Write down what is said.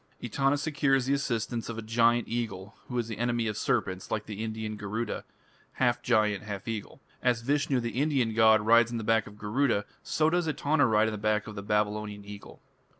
Etana secures the assistance or a giant eagle who is an enemy of serpents like the Indian Garuda, half giant, half eagle. As Vishnu, the Indian god, rides on the back of Garuda, so does Etana ride on the back of the Babylonian Eagle.